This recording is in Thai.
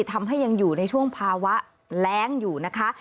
ทำให้ยังอยู่ในช่วงภาวะแรงอยู่นะคะ